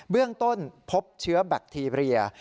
เบื้องต้นพบเชื้อแบคทีเรีย